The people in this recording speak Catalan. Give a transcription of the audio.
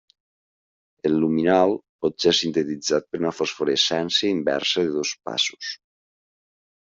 El luminol pot ser sintetitzat per una fosforescència inversa de dos passos.